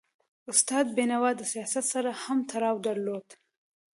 استاد بینوا د سیاست سره هم تړاو درلود.